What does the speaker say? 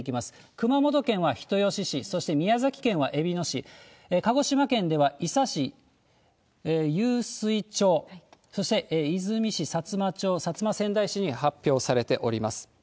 熊本県は人吉市、そして宮崎県はえびの市、鹿児島県では伊佐市、湧水町、そして出水市薩摩町、薩摩川内市に発表されております。